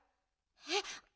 えっ。